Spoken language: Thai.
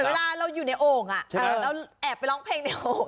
เหมือนเวลาเราอยู่ในโอ่งอ่ะเราแอบไปร้องเพลงในโอ่งอ่ะ